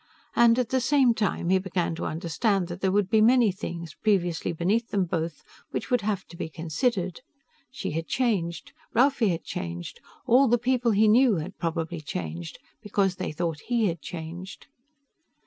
And, at the same time, he began to understand that there would be many things, previously beneath them both, which would have to be considered. She had changed; Ralphie had changed; all the people he knew had probably changed because they thought he had changed.